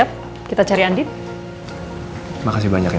apa mama akan tetap mencintai andien